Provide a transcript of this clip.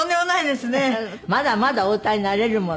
まだまだお歌いになれるもの。